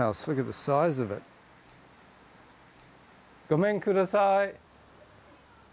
ごめんください。